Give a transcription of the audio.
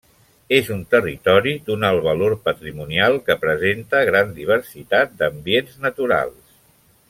És un territori d'un alt valor patrimonial que presenta gran diversitat d'ambients naturals.